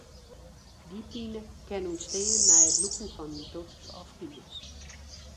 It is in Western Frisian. Dy pine kin ûntstean nei it lûken fan in tosk of kies.